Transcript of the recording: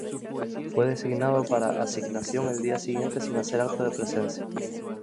Fue designado para asignación el día siguiente sin hacer acto de presencia.